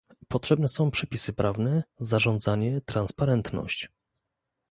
Potrzebne są przepisy prawne, zarządzanie, transparentność